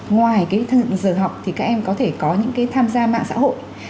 ngoài cái giờ học thì các em có thể có những cái tham gia mạng xã hội